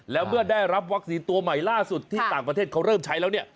แล้วเมื่อได้รับวัคซีนตัวใหม่ล่าสุดที่ต่างประเทศเขาเริ่มใช้แล้วเนี่ย